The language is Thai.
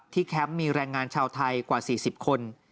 แคมป์มีแรงงานชาวไทยกว่า๔๐คน